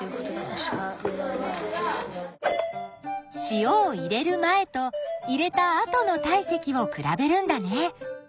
塩を入れる前と入れた後の体積を比べるんだね。